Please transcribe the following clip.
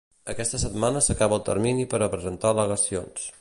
Aquesta setmana s'acaba el termini per a presentar al·legacions.